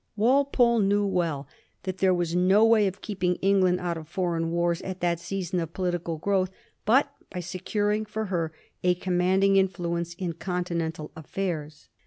Walpole knew well that there was no way of keep ing England out of foreign wars at that season of political growth but by securing for her a command ing influence in Continental affairs.